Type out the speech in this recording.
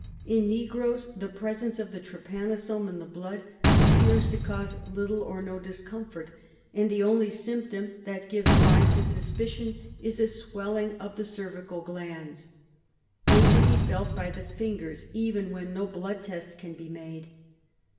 In negroes the presence of the trypanosome in the blood appears to cause little or no discomfort, and the only symptom that gives rise to suspicion is a swelling of the cervical glands. They can be felt by the fingers, even when no blood test can be made.